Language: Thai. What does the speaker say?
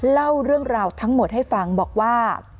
เล่าเรื่องราวทั้งหมดให้ฟังบอกว่า